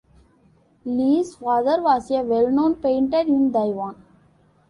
Lee's father was a well-known painter in Taiwan.